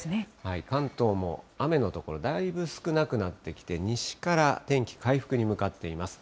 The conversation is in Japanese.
関東も雨の所、だいぶ少なくなってきて、西から天気、回復に向かっています。